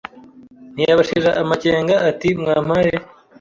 ntiyabashira amakenga ati mwampaye